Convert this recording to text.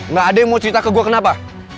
nggak ada yang mau cerita ke gue kenapa